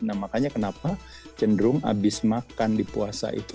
nah makanya kenapa cenderung abis makan di puasa itu